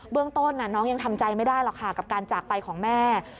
เรื่องต้นน้องยังทำใจไม่ได้หรอกค่ะกับการจากไปของแม่